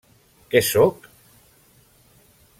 Què sóc?